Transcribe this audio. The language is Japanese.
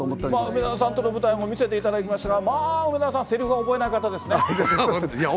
梅沢さんとの舞台も見せていただきましたが、まあ梅沢さんセリフ覚えない方ですよね。